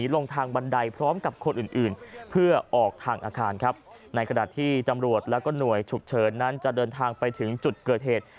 แล้วก็หน่วยฉุกเฉินนั้นจะเดินทางไปถึงจุดเกิดเหตุ